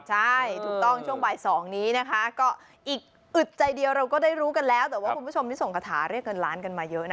ใช่ถูกต้องช่วงบ่าย๒นี้นะคะก็อีกอึดใจเดียวเราก็ได้รู้กันแล้วแต่ว่าคุณผู้ชมที่ส่งคาถาเรียกเงินล้านกันมาเยอะนะ